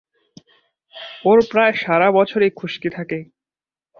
ওর প্রায় সারা বছরই খুশকি থাকে।